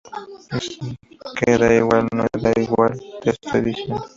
es que da igual. no da igual. te estoy diciendo